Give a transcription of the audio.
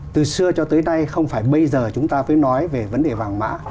từ xưa cho tới nay không phải bây giờ chúng ta phải nói về vấn đề vàng mã